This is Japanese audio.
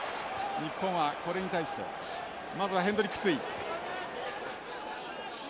日本はこれに対してまずはヘンドリックツイ。